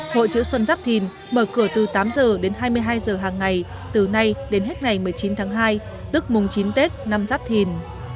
hội chữ xuân giáp thìn mở cửa từ tám giờ đến hai mươi hai giờ hàng ngày từ nay đến hết ngày một mươi chín tháng hai tức mùng chín tết năm giáp thìn